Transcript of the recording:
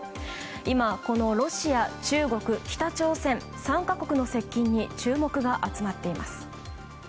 今、このロシア、中国、北朝鮮３か国の接近に注目が集まっています。